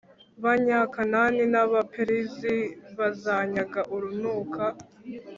Banyakanani n Abaperizi bazanyanga urunuka